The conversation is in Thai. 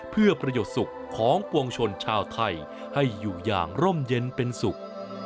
เพื่อประโยชน์สุขของปวงชนชาวไทยให้อยู่อย่างร่มเย็นเป็นสุข